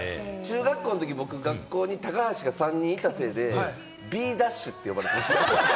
中学校のとき僕、高橋が３人いたせいで、Ｂダッシュって言われてた。